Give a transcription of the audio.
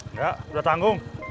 nggak udah tanggung